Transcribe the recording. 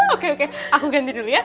oke oke aku ganti dulu ya